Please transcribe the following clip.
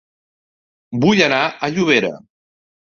Vull anar a Llobera